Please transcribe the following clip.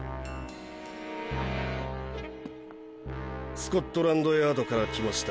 スコットランドヤードから来ました